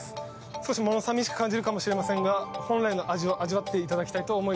少しものさみしく感じるかもしれませんが本来の味を味わっていただきたいと思い